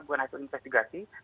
bukan hasil investigasi